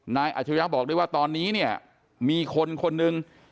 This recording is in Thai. นายอาชญาบอกด้วยว่าตอนนี้มีคนคนหนึ่ง